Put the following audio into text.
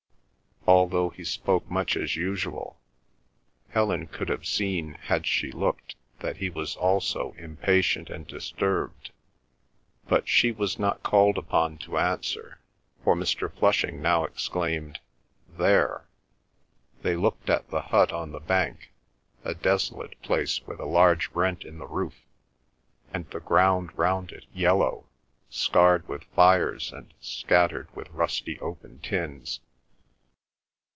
Although he spoke much as usual, Helen could have seen, had she looked, that he was also impatient and disturbed. But she was not called upon to answer, for Mr. Flushing now exclaimed "There!" They looked at the hut on the bank, a desolate place with a large rent in the roof, and the ground round it yellow, scarred with fires and scattered with rusty open tins.